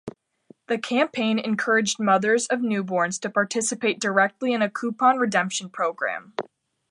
The campaign encouraged mothers of newborns to participate directly in a coupon-redemption program.